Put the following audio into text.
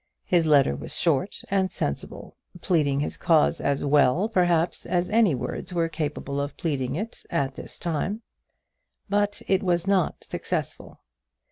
His letter was short and sensible, pleading his cause as well, perhaps, as any words were capable of pleading it at this time; but it was not successful.